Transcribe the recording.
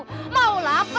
itu bukan urusanmu bu